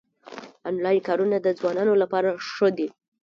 انلاین کارونه د ځوانانو لپاره ښه دي